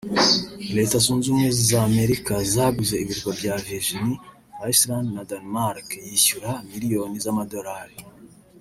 Leta zunze ubumwe za Amerika zaguze ibirwa bya Virgin Islands na Denmark yishyura miliyoni z’amadolari